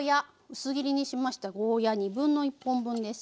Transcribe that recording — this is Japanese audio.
薄切りにしましたゴーヤー1/2本分ですね。